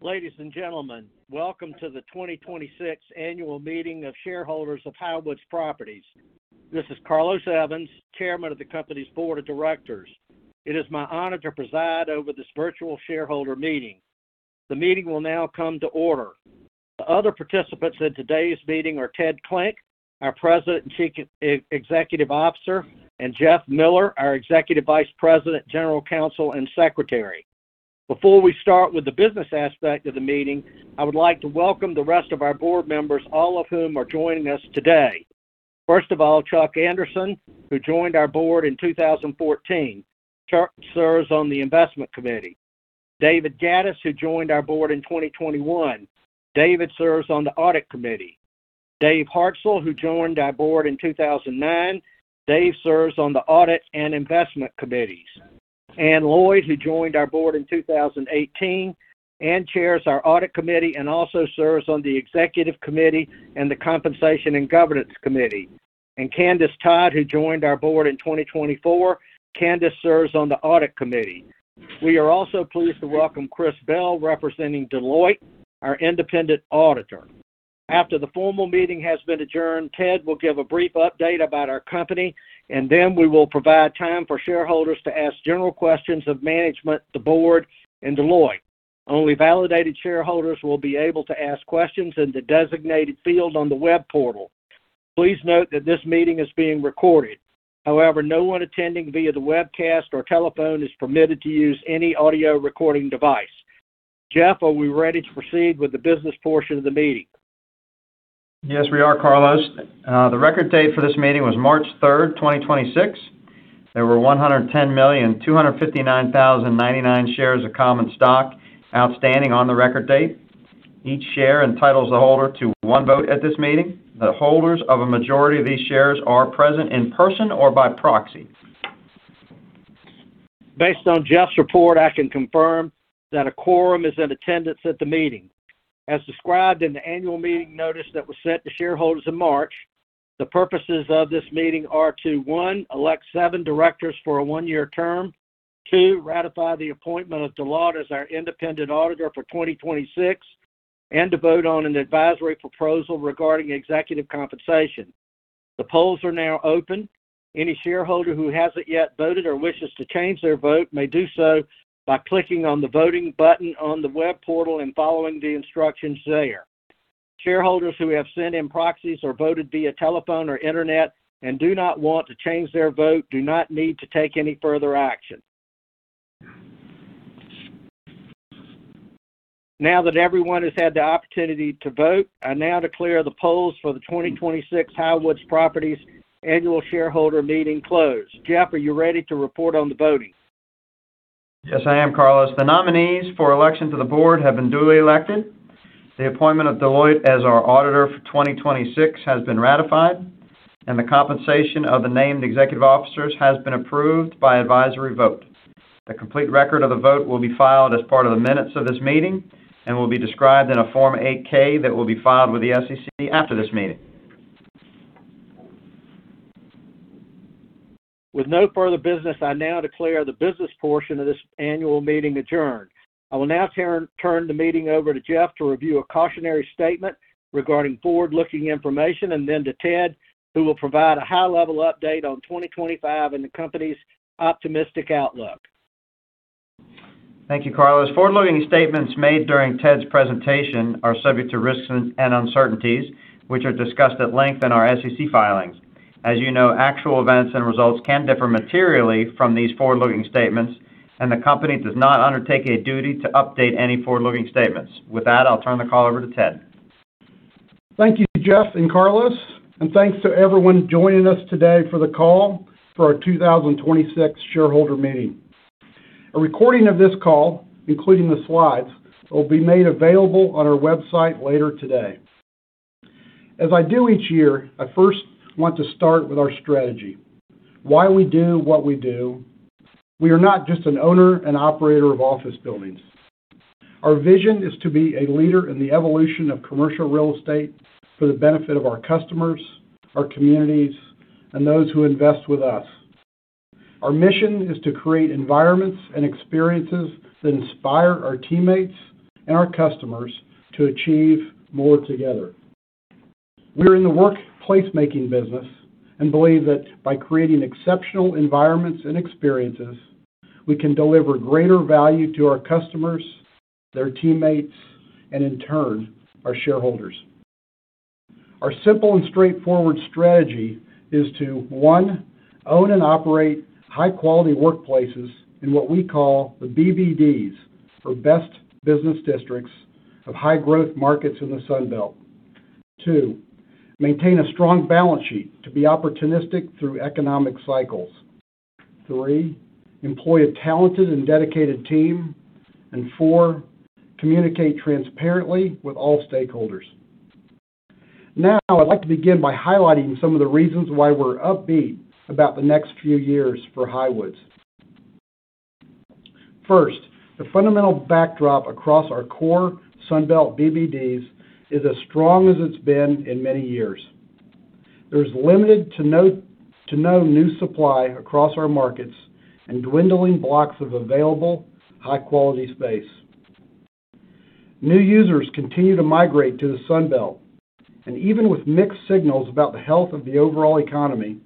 Ladies and gentlemen, welcome to the 2026 annual meeting of shareholders of Highwoods Properties. This is Carlos Evans, Chairman of the company's board of directors. It is my honor to preside over this virtual shareholder meeting. The meeting will now come to order. The other participants in today's meeting are Ted Klinck, our President and Chief Executive Officer, and Jeff Miller, our Executive Vice President, General Counsel, and Secretary. Before we start with the business aspect of the meeting, I would like to welcome the rest of our board members, all of whom are joining us today. First of all, Chuck Anderson, who joined our board in 2014. Chuck serves on the Investment Committee. David Gadis, who joined our board in 2021. David serves on the Audit Committee. David Hartzell, who joined our board in 2009. Dave serves on the Audit and Investment Committees. Anne Lloyd, who joined our board in 2018. Anne chairs our Audit Committee and also serves on the Executive Committee and the Compensation and Governance Committee. Candice Todd, who joined our board in 2024. Candice serves on the Audit Committee. We are also pleased to welcome Chris Bell, representing Deloitte, our independent auditor. After the formal meeting has been adjourned, Ted will give a brief update about our company, and then we will provide time for shareholders to ask general questions of management, the board, and Deloitte. Only validated shareholders will be able to ask questions in the designated field on the web portal. Please note that this meeting is being recorded. However, no one attending via the webcast or telephone is permitted to use any audio recording device. Jeff, are we ready to proceed with the business portion of the meeting? Yes, we are, Carlos. The record date for this meeting was March 3, 2026. There were 110,259,099 shares of common stock outstanding on the record date. Each share entitles the holder to one vote at this meeting. The holders of a majority of these shares are present in person or by proxy. Based on Jeff's report, I can confirm that a quorum is in attendance at the meeting. As described in the annual meeting notice that was sent to shareholders in March, the purposes of this meeting are to, one, elect seven directors for a one-year term, two, ratify the appointment of Deloitte as our independent auditor for 2026, and to vote on an advisory proposal regarding executive compensation. The polls are now open. Any shareholder who hasn't yet voted or wishes to change their vote may do so by clicking on the voting button on the web portal and following the instructions there. Shareholders who have sent in proxies or voted via telephone or internet and do not want to change their vote do not need to take any further action. Now that everyone has had the opportunity to vote, I now declare the polls for the 2026 Highwoods Properties annual shareholder meeting closed. Jeff, are you ready to report on the voting? Yes, I am, Carlos. The nominees for election to the board have been duly elected. The appointment of Deloitte as our auditor for 2026 has been ratified, and the compensation of the named executive officers has been approved by advisory vote. The complete record of the vote will be filed as part of the minutes of this meeting and will be described in a Form 8-K that will be filed with the SEC after this meeting. With no further business, I now declare the business portion of this annual meeting adjourned. I will now turn the meeting over to Jeff to review a cautionary statement regarding forward-looking information and then to Ted, who will provide a high-level update on 2025 and the company's optimistic outlook. Thank you, Carlos. Forward-looking statements made during Ted's presentation are subject to risks and uncertainties, which are discussed at length in our SEC filings. As you know, actual events and results can differ materially from these forward-looking statements, and the company does not undertake a duty to update any forward-looking statements. With that, I'll turn the call over to Ted. Thank you, Jeff and Carlos. Thanks to everyone joining us today for the call for our 2026 shareholder meeting. A recording of this call, including the slides, will be made available on our website later today. As I do each year, I first want to start with our strategy. Why we do what we do. We are not just an owner and operator of office buildings. Our vision is to be a leader in the evolution of commercial real estate for the benefit of our customers, our communities, and those who invest with us. Our mission is to create environments and experiences that inspire our teammates and our customers to achieve more together. We are in the workplace making business and believe that by creating exceptional environments and experiences, we can deliver greater value to our customers, their teammates, and in turn, our shareholders. Our simple and straightforward strategy is to, one, own and operate high-quality workplaces in what we call the BBDs, or Best Business Districts, of high-growth markets in the Sun Belt. Two, maintain a strong balance sheet to be opportunistic through economic cycles. Three, employ a talented and dedicated team. Four, communicate transparently with all stakeholders. Now, I'd like to begin by highlighting some of the reasons why we're upbeat about the next few years for Highwoods. First, the fundamental backdrop across our core Sun Belt BBDs is as strong as it's been in many years. There's limited to no new supply across our markets and dwindling blocks of available high-quality space. New users continue to migrate to the Sun Belt, and even with mixed signals about the health of the overall economy,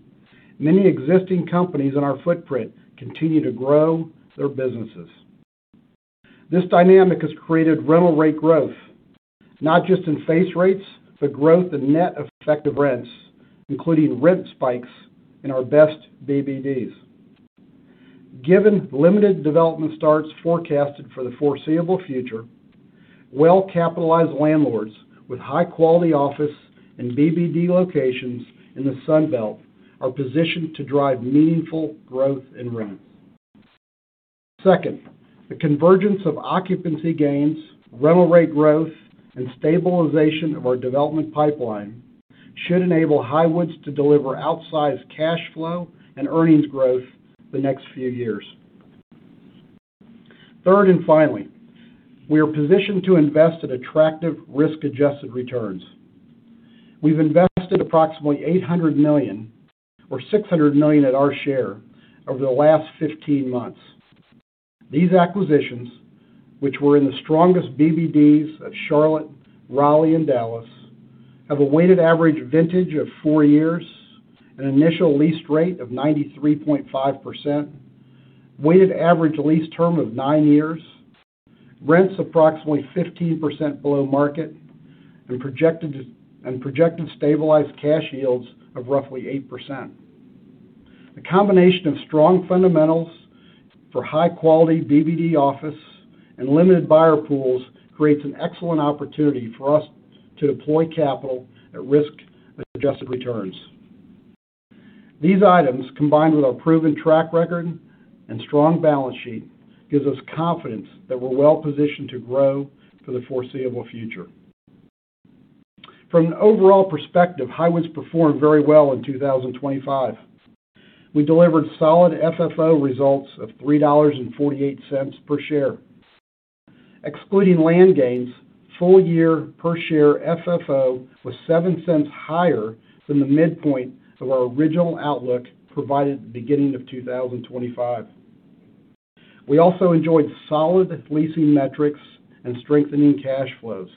many existing companies in our footprint continue to grow their businesses. This dynamic has created rental rate growth, not just in face rates, but growth in net effective rents, including rent spikes in our best BBDs. Given limited development starts forecasted for the foreseeable future, well-capitalized landlords with high-quality office and BBD locations in the Sun Belt are positioned to drive meaningful growth in rents. Second, the convergence of occupancy gains, rental rate growth, and stabilization of our development pipeline should enable Highwoods to deliver outsized cash flow and earnings growth the next few years. Third and finally, we are positioned to invest at attractive risk-adjusted returns. We've invested approximately $800 million, or $600 million at our share, over the last 15 months. These acquisitions, which were in the strongest BBDs of Charlotte, Raleigh, and Dallas, have a weighted average vintage of four years, an initial lease rate of 93.5%, weighted average lease term of nine years, rents approximately 15% below market, and projected stabilized cash yields of roughly 8%. A combination of strong fundamentals for high-quality BBD office and limited buyer pools creates an excellent opportunity for us to deploy capital at risk-adjusted returns. These items, combined with our proven track record and strong balance sheet, gives us confidence that we're well-positioned to grow for the foreseeable future. From an overall perspective, Highwoods performed very well in 2025. We delivered solid FFO results of $3.48 per share. Excluding land gains, full-year per share FFO was $0.07 higher than the midpoint of our original outlook provided at the beginning of 2025. We also enjoyed solid leasing metrics and strengthening cash flows,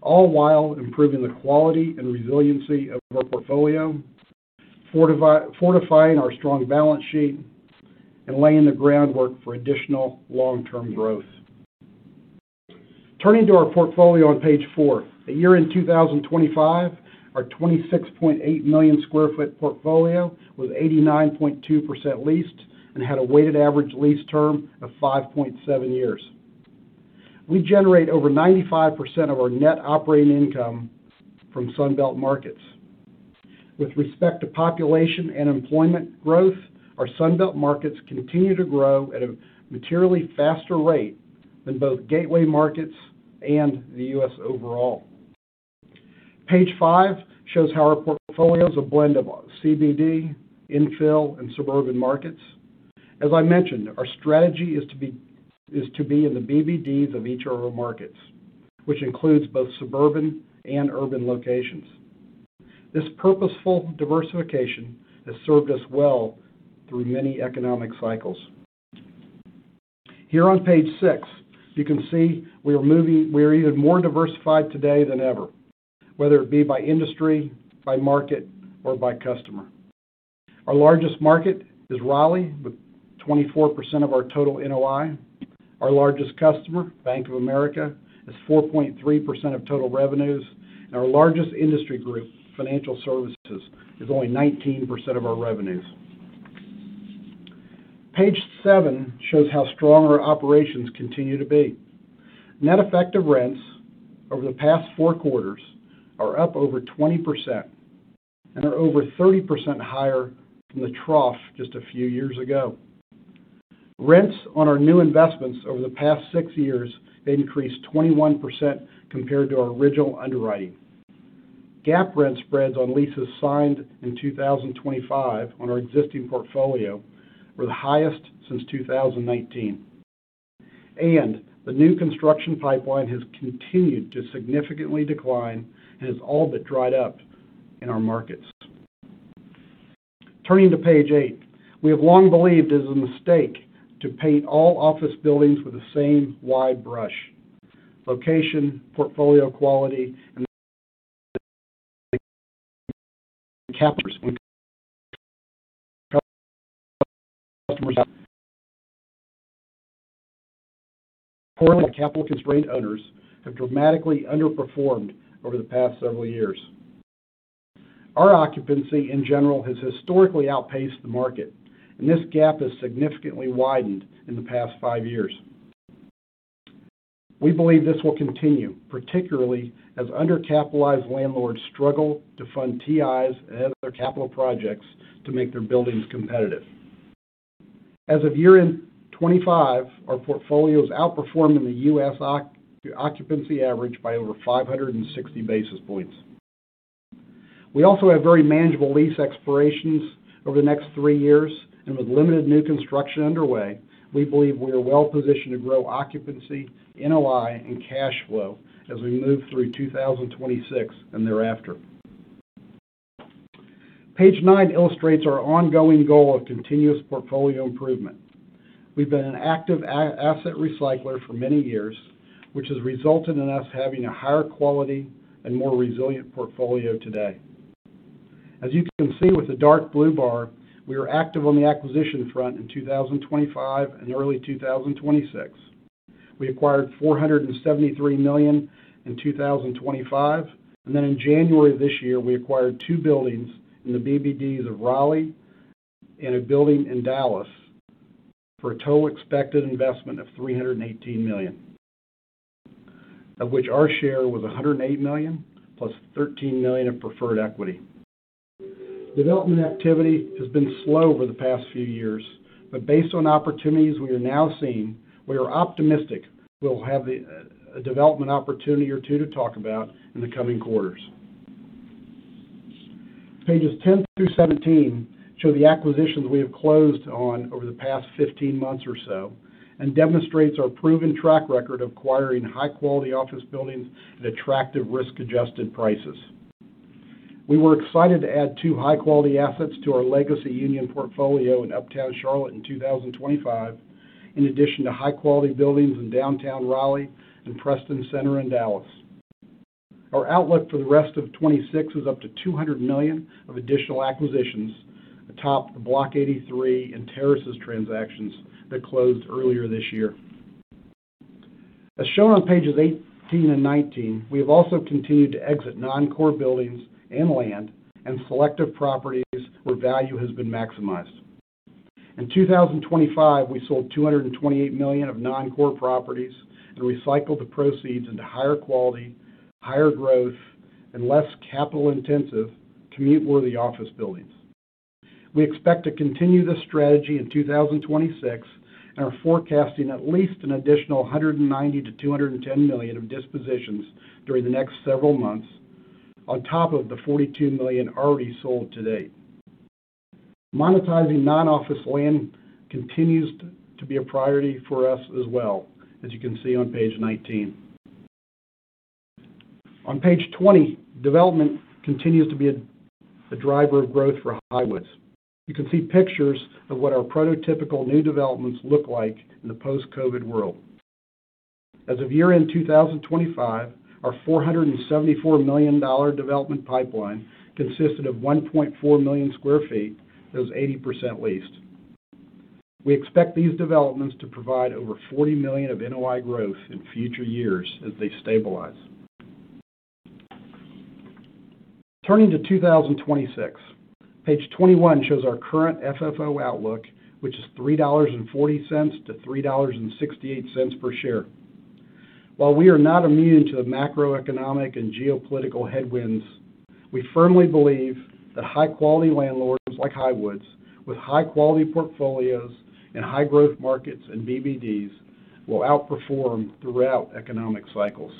all while improving the quality and resiliency of our portfolio, fortifying our strong balance sheet, and laying the groundwork for additional long-term growth. Turning to our portfolio on page 4, at year-end 2025, our 26.8 million sq ft portfolio was 89.2% leased and had a weighted average lease term of 5.7 years. We generate over 95% of our net operating income from Sun Belt markets. With respect to population and employment growth, our Sun Belt markets continue to grow at a materially faster rate than both gateway markets and the U.S. overall. Page 5 shows how our portfolio is a blend of CBD, infill, and suburban markets. As I mentioned, our strategy is to be in the BBDs of each of our markets, which includes both suburban and urban locations. This purposeful diversification has served us well through many economic cycles. Here on page 6, you can see we are even more diversified today than ever, whether it be by industry, by market, or by customer. Our largest market is Raleigh, with 24% of our total NOI. Our largest customer, Bank of America, is 4.3% of total revenues. Our largest industry group, financial services, is only 19% of our revenues. Page 7 shows how strong our operations continue to be. Net effective rents over the past four quarters are up over 20% and are over 30% higher than the trough just a few years ago. Rents on our new investments over the past six years have increased 21% compared to our original underwriting. GAAP rent spreads on leases signed in 2025 on our existing portfolio were the highest since 2019. The new construction pipeline has continued to significantly decline and has all but dried up in our markets. Turning to page 8, we have long believed it is a mistake to paint all office buildings with the same wide brush. Location, portfolio quality, and poorly capitalized REIT owners have dramatically underperformed over the past several years. Our occupancy in general has historically outpaced the market, and this gap has significantly widened in the past five years. We believe this will continue, particularly as undercapitalized landlords struggle to fund TIs and other capital projects to make their buildings competitive. As of year-end 2025, our portfolio is outperforming the U.S. occupancy average by over 560 basis points. We also have very manageable lease expirations over the next three years, and with limited new construction underway, we believe we are well positioned to grow occupancy, NOI, and cash flow as we move through 2026 and thereafter. Page 9 illustrates our ongoing goal of continuous portfolio improvement. We've been an active asset recycler for many years, which has resulted in us having a higher quality and more resilient portfolio today. As you can see with the dark blue bar, we were active on the acquisition front in 2025 and early 2026. We acquired $473 million in 2025. In January of this year, we acquired two buildings in the BBDs of Raleigh and a building in Dallas for a total expected investment of $318 million, of which our share was $108 million, plus $13 million of preferred equity. Development activity has been slow over the past few years. Based on opportunities we are now seeing, we are optimistic we'll have a development opportunity or two to talk about in the coming quarters. Pages 10-17 show the acquisitions we have closed on over the past 15 months or so and demonstrates our proven track record of acquiring high-quality office buildings at attractive risk-adjusted prices. We were excited to add two high-quality assets to our Legacy Union portfolio in uptown Charlotte in 2025, in addition to high-quality buildings in downtown Raleigh and Preston Center in Dallas. Our outlook for the rest of 2026 is up to $200 million of additional acquisitions atop the Block 83 and Terraces transactions that closed earlier this year. As shown on pages 18 and 19, we have also continued to exit non-core buildings and land and selective properties where value has been maximized. In 2025, we sold $228 million of non-core properties and recycled the proceeds into higher quality, higher growth, and less capital-intensive commute-worthy office buildings. We expect to continue this strategy in 2026 and are forecasting at least an additional $190 million-$210 million of dispositions during the next several months on top of the $42 million already sold to date. Monetizing non-office land continues to be a priority for us as well, as you can see on page 19. On page 20, development continues to be a driver of growth for Highwoods. You can see pictures of what our prototypical new developments look like in the post-COVID world. As of year-end 2025, our $474 million development pipeline consisted of 1.4 million sq ft that was 80% leased. We expect these developments to provide over $40 million of NOI growth in future years as they stabilize. Turning to 2026, page 21 shows our current FFO outlook, which is $3.40-$3.68 per share. While we are not immune to the macroeconomic and geopolitical headwinds, we firmly believe that high-quality landlords like Highwoods, with high-quality portfolios in high-growth markets and BBDs, will outperform throughout economic cycles.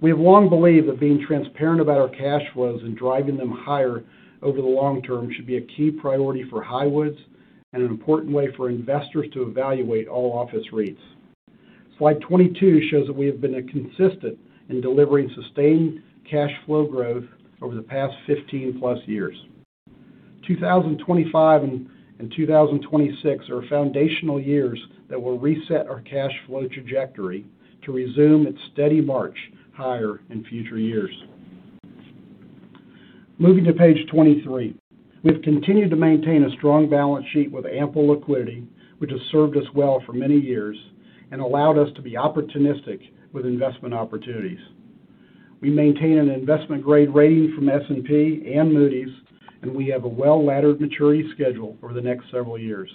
We have long believed that being transparent about our cash flows and driving them higher over the long term should be a key priority for Highwoods and an important way for investors to evaluate all office REITs. Slide 22 shows that we have been consistent in delivering sustained cash flow growth over the past 15+ years. 2025 and 2026 are foundational years that will reset our cash flow trajectory to resume its steady march higher in future years. Moving to page 23. We've continued to maintain a strong balance sheet with ample liquidity, which has served us well for many years and allowed us to be opportunistic with investment opportunities. We maintain an investment-grade rating from S&P and Moody's. We have a well-laddered maturity schedule over the next several years,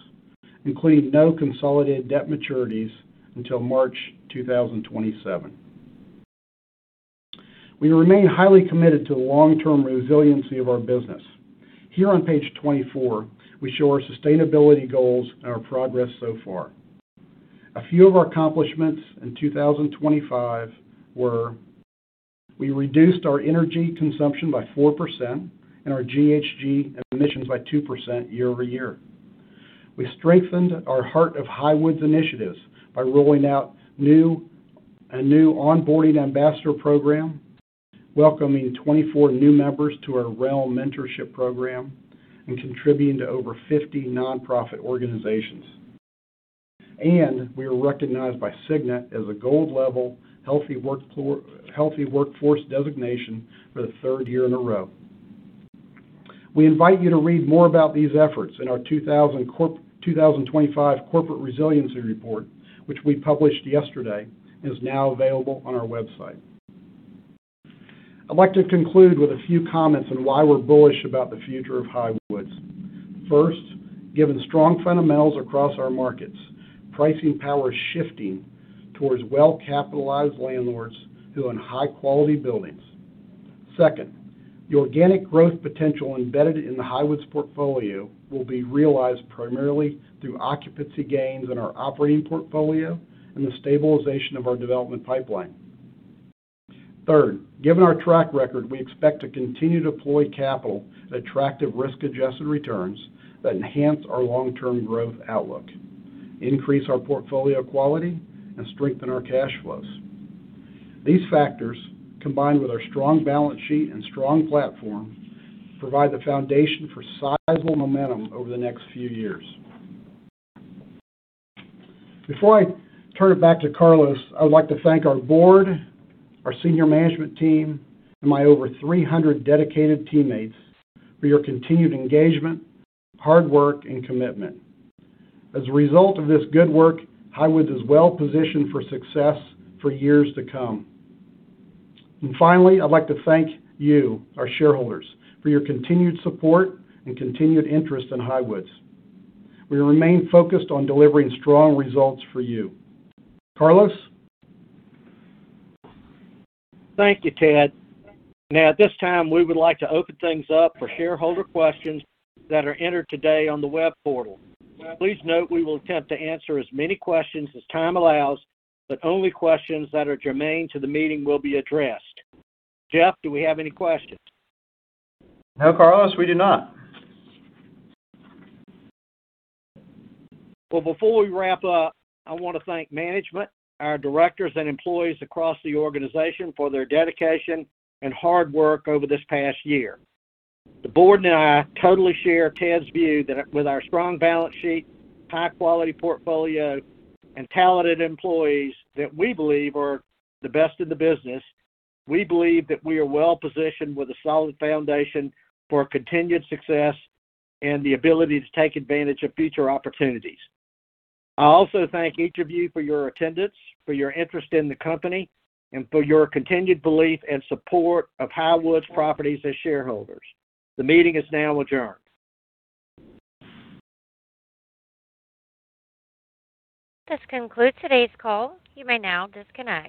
including no consolidated debt maturities until March 2027. We remain highly committed to the long-term resiliency of our business. Here on page 24, we show our sustainability goals and our progress so far. A few of our accomplishments in 2025 were, we reduced our energy consumption by 4% and our GHG emissions by 2% year-over-year. We strengthened our Heart of Highwoods initiatives by rolling out a new onboarding ambassador program, welcoming 24 new members to our REAL Mentorship program, and contributing to over 50 nonprofit organizations. We were recognized by Cigna as a gold-level healthy workforce designation for the third year in a row. We invite you to read more about these efforts in our 2025 Corporate Resiliency Report, which we published yesterday and is now available on our website. I'd like to conclude with a few comments on why we're bullish about the future of Highwoods. First, given strong fundamentals across our markets, pricing power is shifting towards well-capitalized landlords who own high-quality buildings. Second, the organic growth potential embedded in the Highwoods portfolio will be realized primarily through occupancy gains in our operating portfolio and the stabilization of our development pipeline. Third, given our track record, we expect to continue to deploy capital at attractive risk-adjusted returns that enhance our long-term growth outlook, increase our portfolio quality, and strengthen our cash flows. These factors, combined with our strong balance sheet and strong platform, provide the foundation for sizable momentum over the next few years. Before I turn it back to Carlos, I would like to thank our board, our senior management team, and my over 300 dedicated teammates for your continued engagement, hard work, and commitment. As a result of this good work, Highwoods is well-positioned for success for years to come. Finally, I'd like to thank you, our shareholders, for your continued support and continued interest in Highwoods. We remain focused on delivering strong results for you. Carlos. Thank you, Ted. At this time, we would like to open things up for shareholder questions that are entered today on the web portal. Please note we will attempt to answer as many questions as time allows, but only questions that are germane to the meeting will be addressed. Jeff, do we have any questions? No, Carlos, we do not. Before we wrap up, I want to thank management, our directors and employees across the organization for their dedication and hard work over this past year. The board and I totally share Ted's view that with our strong balance sheet, high-quality portfolio, and talented employees that we believe are the best in the business, we believe that we are well-positioned with a solid foundation for continued success and the ability to take advantage of future opportunities. I also thank each of you for your attendance, for your interest in the company, and for your continued belief and support of Highwoods Properties as shareholders. The meeting is now adjourned. This concludes today's call. You may now disconnect.